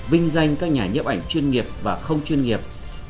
vinh danh các nhà nhiệm ảnh chuyên nghiệp